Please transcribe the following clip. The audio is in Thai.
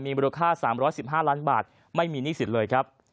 มีบริโรคค่า๓๑๕ล้านบาทไม่มีนิสิตเลยครับ